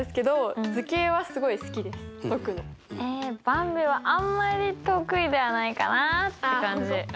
ばんびはあんまり得意ではないかなって感じ。